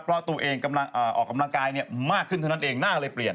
เพราะตัวเองกำลังออกกำลังกายมากขึ้นเท่านั้นเองหน้าเลยเปลี่ยน